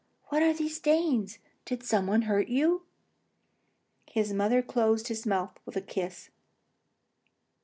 What are these stains? Did some one hurt you?" The mother closed his mouth with a kiss.